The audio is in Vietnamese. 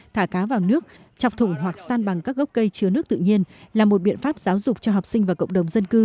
thả cá vào nước chọc thủng hoặc san bằng các gốc cây chứa nước tự nhiên là một biện pháp giáo dục cho học sinh và cộng đồng dân cư